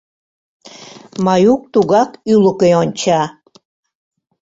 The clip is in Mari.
Маюк тугак ӱлыкӧ онча.